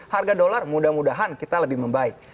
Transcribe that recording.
harga dolar mudah mudahan kita lebih membaik